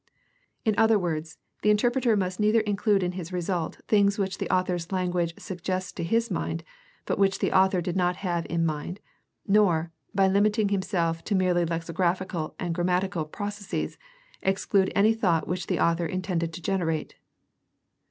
In other words, the interpreter must neither include in his result things which the author's language suggests to his mind, but which the author did not have in mind, nor, by limiting himself to merely lexicographical and grammatical processes, exclude any thought which the author intended to generate.